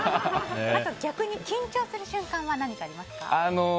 逆に緊張する瞬間は何かありますか？